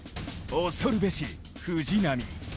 恐るべし藤波。